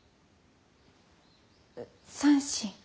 三線。